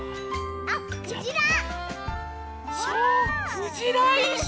クジラいし！